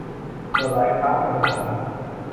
ส่วนหลายคราฟต์มีปัญหา